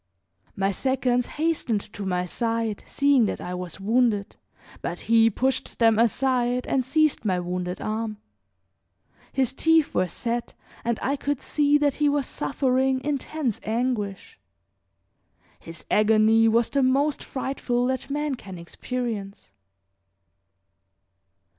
My seconds hastened to my side, seeing that I was wounded; but he pushed them aside and seized my wounded arm. His teeth were set and I could see that he was suffering intense anguish. His agony was the most frightful that man can experience.